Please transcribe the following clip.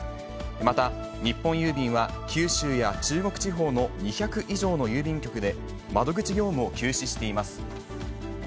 また日本郵便は九州や中国地方の２００以上の郵便局で、窓口業務を休止しています。